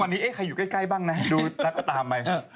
ตอนนี้เอ๊ะใครอยู่ใกล้บ้างนะดูแล้วก็ตามไป